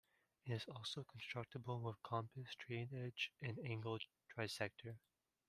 It is also constructible with compass, straightedge and angle trisector.